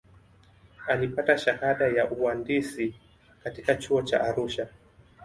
alipata shahada ya uandisi katika chuo cha arusha